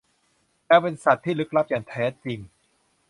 แมวเป็นสัตว์ที่ลึกลับอย่างแท้จริง